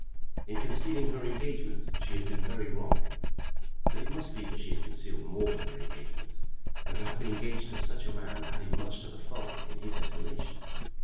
In concealing her engagement she had been very wrong, but it must be that she had concealed more than her engagement. And to have been engaged to such a man added much to the fault in his estimation.